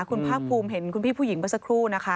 คุณภาคภูมิเห็นคุณพี่ผู้หญิงเมื่อสักครู่นะคะ